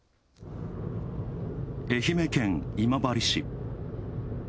愛媛県今治市。